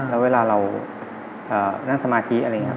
และเวลาเรานั่งสมาธิ